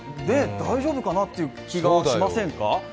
大丈夫なのかなという気がしませんか？